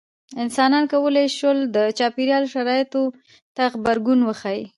انسانانو کولی شول د چاپېریال شرایطو ته غبرګون وښيي.